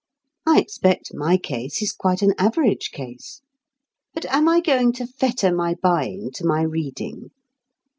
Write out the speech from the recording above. I expect my case is quite an average case. But am I going to fetter my buying to my reading?